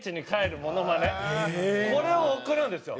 これを送るんですよ。